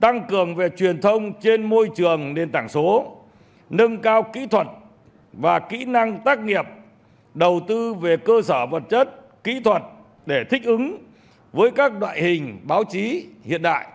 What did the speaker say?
tăng cường về truyền thông trên môi trường nền tảng số nâng cao kỹ thuật và kỹ năng tác nghiệp đầu tư về cơ sở vật chất kỹ thuật để thích ứng với các loại hình báo chí hiện đại